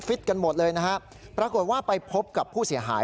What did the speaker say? กันหมดเลยนะฮะปรากฏว่าไปพบกับผู้เสียหาย